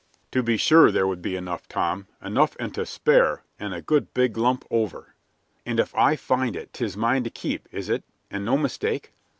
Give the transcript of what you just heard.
"To be sure there would be enough, Tom; enough and to spare, and a good big lump over." "And if I find it 'tis mine to keep, is it, and no mistake?"